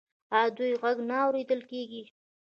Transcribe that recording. آیا د دوی غږ نه اوریدل کیږي؟